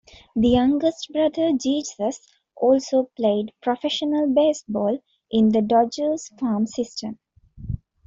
The youngest brother, Jesus also played professional baseball in the Dodgers farm system.